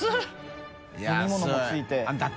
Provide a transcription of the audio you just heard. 飲み物も付いて。